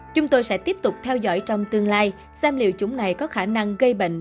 chúng tôi sẽ tiếp tục theo dõi trong tương lai xem liệu chủng này có khả năng gây bệnh